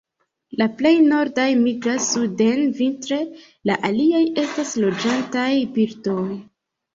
La plej nordaj migras suden vintre; la aliaj estas loĝantaj birdoj.